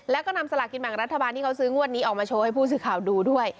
แล้วก็นำสลากินแบ่งรัฐบาลที่เขาซื้องวดนี้ออกมาโชว์ให้ผู้สื่อข่าวดูด้วย